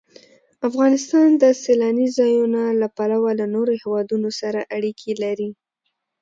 افغانستان د سیلانی ځایونه له پلوه له نورو هېوادونو سره اړیکې لري.